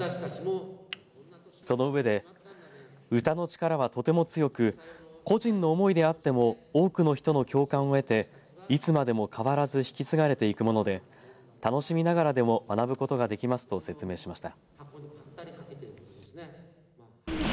そのうえで歌の力はとても強く個人の思いであっても多くの人の共感を得ていつまでも変わらず引き継がれていくもので楽しみながらでも学ぶことができますと説明しました。